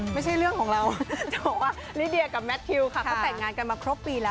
ไม่ใช่เรื่องของเรา